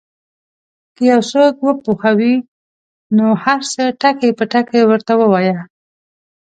که یو څوک وپوهوې نو هر څه ټکي په ټکي ورته ووایه.